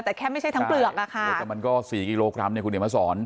แต่แค่ไม่ใช่ทั้งเปลือกอะค่ะแต่มันก็สี่กิโลกรัมเนี่ยคุณเห็นมาสอน